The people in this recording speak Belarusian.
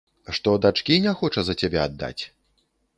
Што дачкі не хоча за цябе аддаць?